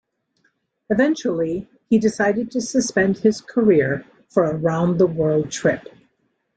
Eventually, he decided to suspend his career for a round-the-world trip.